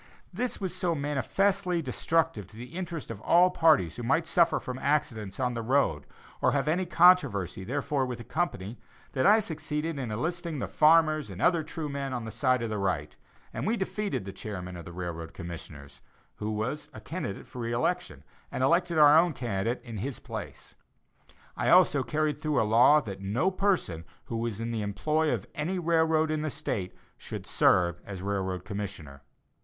This was so manifestly destructive to the interests of all parties who might suffer from accidents on the road, or have any controversy therefor with the company, that I succeeded in enlisting the farmers and other true men on the side of right; and we defeated the chairman of the railroad commissioners, who was a candidate for re election, and elected our own candidate in his place. I also carried through a law that no person who was in the employ of any railroad in the State should serve as railroad commissioner.